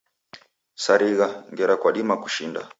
Sarigha, ngera kwadima kushinda